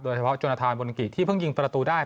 เฉพาะจนทานบนกิที่เพิ่งยิงประตูได้